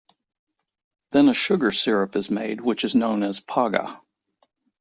Then a sugar syrup is made which is known as "Paga".